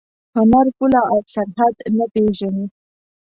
هنر پوله او سرحد نه پېژني.